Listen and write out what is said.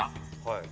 はい。